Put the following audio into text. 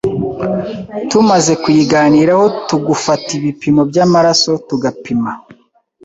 tumaze kuyiganiraho tugufata ibipimo by’amaraso tugapima